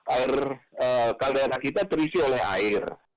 air kaldera kita terisi oleh air